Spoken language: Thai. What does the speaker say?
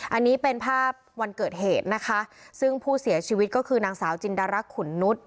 อันนี้เป็นภาพวันเกิดเหตุนะคะซึ่งผู้เสียชีวิตก็คือนางสาวจินดารักษ์ขุนนุษย